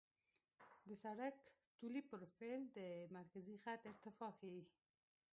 د سړک طولي پروفیل د مرکزي خط ارتفاع ښيي